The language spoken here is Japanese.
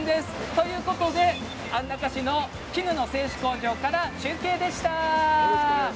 ということで安中市の絹の製糸工場から中継でした。